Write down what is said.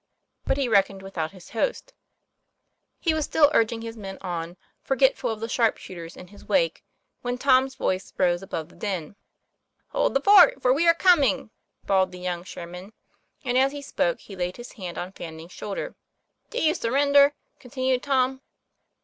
But he reckoned without his host. He was still urging his men on, forgetful of the TOM PLAYFAIR. 187 sharp shooters in his wake, when Tom's voice rose above the din. "Hold the fort, for we are coming," bawled the young Sherman; and as he spoke he laid his hand on Fanning's shoulder. "Do you surrender?" continued Tom.